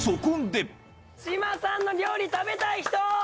志麻さんの料理、食べたい人？